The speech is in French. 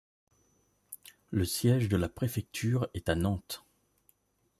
Le siège de la préfecture est à Nantes.